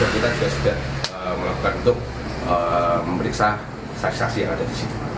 dan kita juga sudah melakukan untuk memeriksa saksi saksi yang ada di situ